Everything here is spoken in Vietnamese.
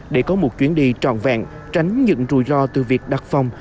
để có một chuyến đi trọn vẹn tránh những rủi ro từ việc đặt phòng